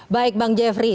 baik bang jeffrey